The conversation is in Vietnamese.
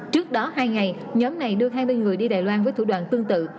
trước đó hai ngày nhóm này đưa hai mươi người đi đài loan với thủ đoạn tương tự